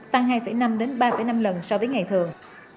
tăng hai năm đến ba năm lần so với ngày thường